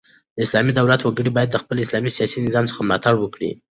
د اسلامي دولت وګړي بايد د خپل اسلامي سیاسي نظام څخه ملاتړ وکړي.